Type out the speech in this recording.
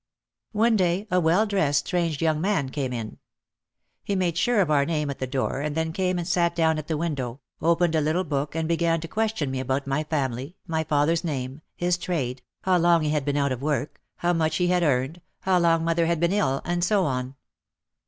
One day a well dressed strange young man came in. He made sure of our name at the door and then came and sat down at the window, opened a little book and began to question me about my family, my father's name, his trade, how long he had been out of work, how much 166 OUT OF THE SHADOW he had earned, how long mother had been ill and so on.